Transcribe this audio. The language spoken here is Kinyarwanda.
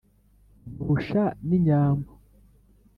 nkurusha n'inyambo,